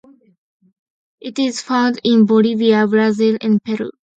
It is found in Bolivia, Brazil, and Peru.